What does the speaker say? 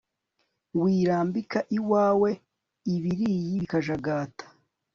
wirambika iwawe ibilyi bikajagata